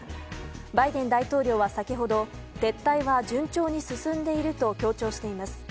バイデン大統領は先ほど撤退は順調に進んでいると強調しています。